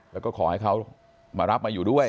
แล้วก็ขอให้เขามารับมาอยู่ด้วย